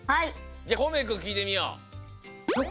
じゃあこうめいくんきいてみよう。